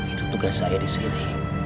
itu tugas saya di sini